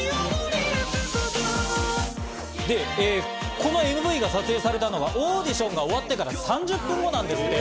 このＭＶが撮影されたのはオーディションが終わってから３０分後なんですって。